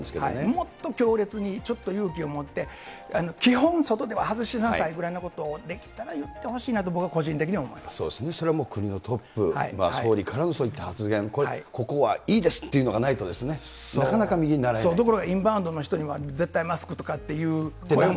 もっと強烈に、ちょっと勇気を持って、基本、外では外しなさいぐらいのことをできたら言ってほしいなと、それはもう国のトップ、総理からのそういった発言、ここはいいですっていうのがないだから、インバウンドの人には絶対マスクとかっていうて。